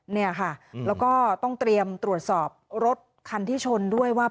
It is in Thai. เนี่ยค่ะแล้วก็ต้องเตรียมตรวจสอบรถคันที่ชนด้วยว่า